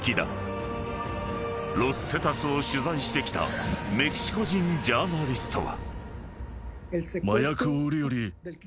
［ロス・セタスを取材してきたメキシコ人ジャーナリストは］